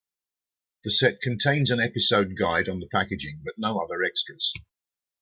The set contains an episode guide on the packaging but no other extras.